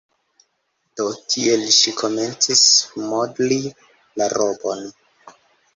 Do, tiel ŝi komencis modli la robon.